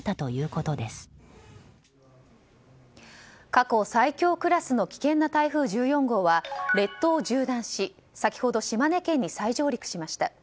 過去最強クラスの危険な台風１４号は列島を縦断し、先ほど島根県に再上陸しました。